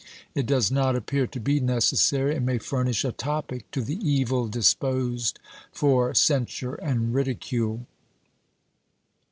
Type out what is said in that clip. It does not appear to be necessary, and may furnish a topic to the evil disposed for censure and ridicule.